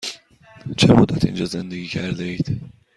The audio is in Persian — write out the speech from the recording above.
چه مدت اینجا زندگی کرده اید؟